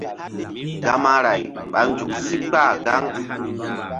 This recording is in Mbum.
Gamaray ɓa nzuk sí kpah gaŋ.